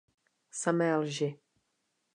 Samé lži.